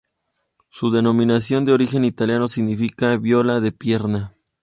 Su denominación, de origen italiano, significa "viola de pierna".